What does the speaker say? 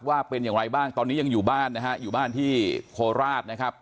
ว่าเป็นอย่างไรบ้างตอนนี้ยังอยู่บ้านนะฮะอยู่บ้านที่โคราชนะครับ